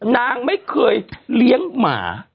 นางไม่เคยเลี้ยงหมา